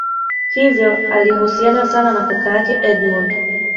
hivyo alihusiana sana na kaka yake edmund